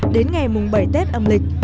tuổi tết âm lịch